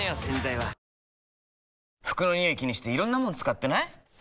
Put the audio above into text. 洗剤は服のニオイ気にしていろんなもの使ってない？